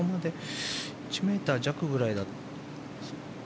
１ｍ弱ぐらいだったから。